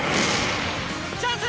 チャンス！